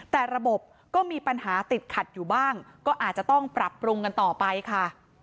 แต่ระบบก็มีปัญหาติดขัดอยู่บ้างก็อาจจะต้องปรับปรุงกันต่อไปค่ะ